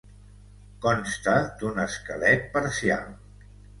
Consta d'un esquelet parcial.